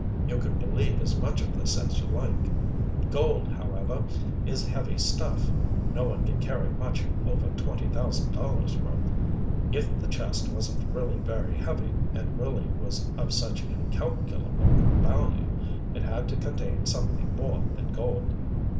"You can believe as much of this as you like. Gold, however, is heavy stuff no one can carry much over twenty thousand dollars worth. If the chest wasn't really very heavy, and really was of such incalculable value, it had to contain something more than gold.